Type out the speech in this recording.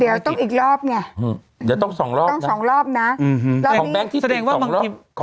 เดี๋ยวต้องอีกรอบไง